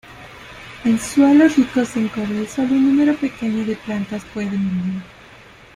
En suelos ricos en cobre sólo un número pequeño de plantas pueden vivir.